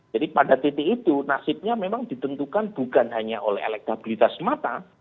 pada titik itu nasibnya memang ditentukan bukan hanya oleh elektabilitas mata